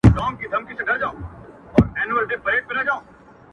چي ما دي په تیاره کي تصویرونه وي پېیلي.!